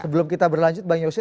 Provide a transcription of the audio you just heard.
sebelum kita berlanjut bang yose